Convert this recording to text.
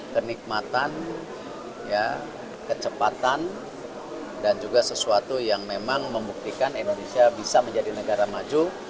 kenikmatan kecepatan dan juga sesuatu yang memang membuktikan indonesia bisa menjadi negara maju